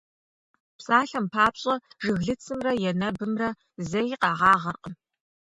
Псалъэм папщӀэ, жыглыцымрэ енэбымрэ зэи къэгъагъэркъым.